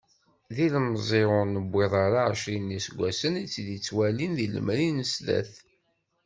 Ilemẓi ur niwiḍ ara ɛecrin n yiseggasen i tt-id-yettwalin di lemri n sdat.